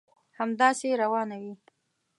همداسي روانه وي.